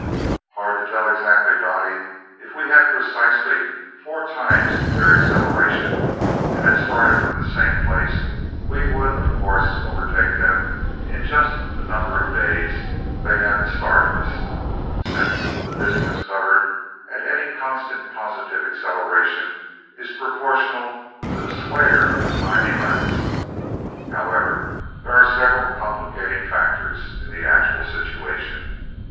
"Hard to tell exactly, Dottie. If we had precisely four times their acceleration and had started from the same place, we would of course overtake them in just the number of days they had the start of us, since the distance covered at any constant positive acceleration is proportional to the square of the time elapsed. However, there are several complicating factors in the actual situation.